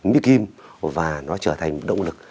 mít kim và nó trở thành động lực